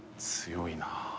強いな。